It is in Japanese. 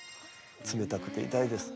冷たくて痛いです。